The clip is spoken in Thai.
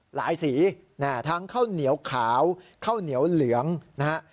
สีทั้งข้าวเหนียวขาวข้าวเหนียวเหลืองนะฮะ